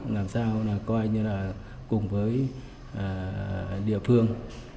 làm sao coi như là cùng với địa phương